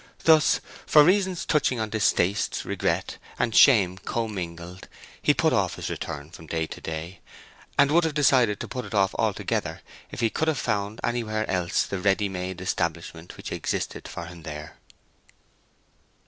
Thus, for reasons touching on distaste, regret, and shame commingled, he put off his return from day to day, and would have decided to put it off altogether if he could have found anywhere else the ready made establishment which existed for him there.